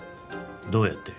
どうやって？